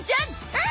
うん！